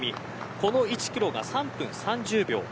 この１キロが３分３０秒。